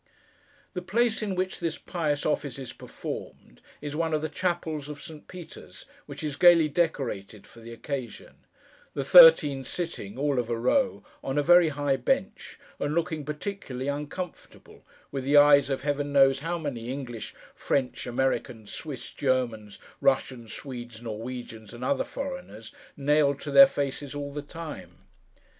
The place in which this pious office is performed, is one of the chapels of St. Peter's, which is gaily decorated for the occasion; the thirteen sitting, 'all of a row,' on a very high bench, and looking particularly uncomfortable, with the eyes of Heaven knows how many English, French, Americans, Swiss, Germans, Russians, Swedes, Norwegians, and other foreigners, nailed to their faces all the time.